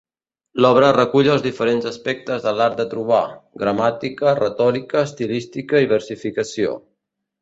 L'obra recull els diferents aspectes de l'art de trobar: gramàtica, retòrica, estilística i versificació.